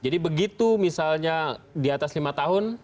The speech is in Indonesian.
jadi begitu misalnya di atas lima tahun